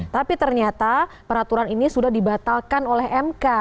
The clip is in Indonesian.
tapi ternyata peraturan ini sudah dibatalkan oleh mk